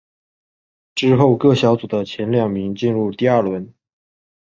之后各小组的前两名进入第二轮。